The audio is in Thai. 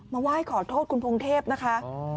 มาไหว้ขอโทษคุณพงเทพนะคะ